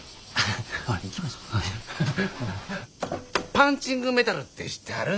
パンチングメタルって知ってはる？